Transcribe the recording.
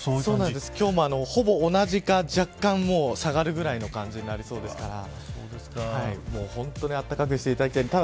今日もほぼ同じか若干下がるくらいの感じになりそうですから本当にあったかくしていただきたい。